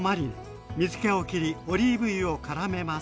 水けを切りオリーブ油をからめます。